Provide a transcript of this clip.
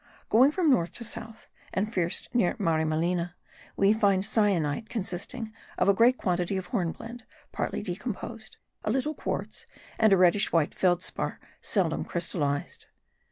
Going from north to south, and first near Marimelena, we find syenite consisting of a great quantity of hornblende, partly decomposed, a little quartz, and a reddish white feldspar seldom crystallized.